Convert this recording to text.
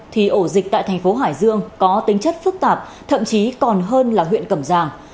thì ổ dịch tại thành phố hải dương có tính chất phức tạp thậm chí còn hơn là huyện cẩm giang